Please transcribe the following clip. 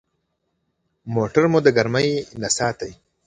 موټر مو د ګرمي نه ساتي.